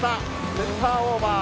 センターオーバー。